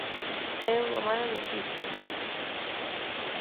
É unha mala noticia?